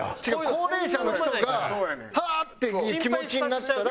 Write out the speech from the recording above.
高齢者の人が「あっ！」っていう気持ちになったら。